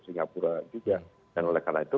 singapura juga dan oleh karena itu